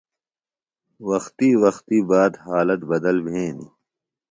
وقتی وقتی بات حالت بدل بھینیۡ۔